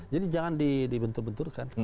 jadi jangan dibentur benturkan